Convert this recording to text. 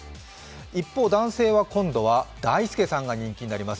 一方、男性は今度は大輔さんが人気になります。